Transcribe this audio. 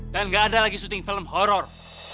dan nggak ada lagi syuting film horor